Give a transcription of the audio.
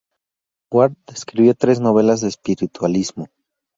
Ward escribió tres novelas de espiritualismo.